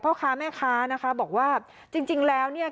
พ่อค้าแม่ค้านะคะบอกว่าจริงจริงแล้วเนี่ย